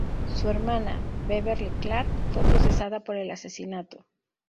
Su hermana, Beverly Clark, fue procesada por el asesinato.